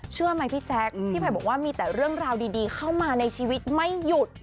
เชื่อไหมพี่แจ๊คพี่ไผ่บอกว่ามีแต่เรื่องราวดีเข้ามาในชีวิตไม่หยุด